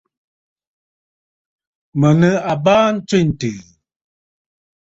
Mə̀ nɨ̂ àbaa ntswêntɨ̀ɨ̀.